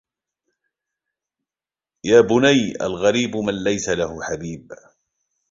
يَا بُنَيَّ الْغَرِيبُ مَنْ لَيْسَ لَهُ حَبِيبٌ